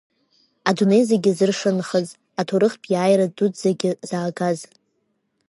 Адунеи зегьы зыршанхаз аҭоурыхтә иааира дуӡӡагьы заагаз…